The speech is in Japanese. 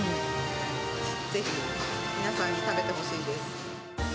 ぜひ皆さんに食べてほしいです。